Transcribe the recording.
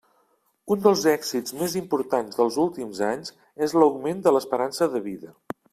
Un dels èxits més importants dels últims anys és l'augment de l'esperança de vida.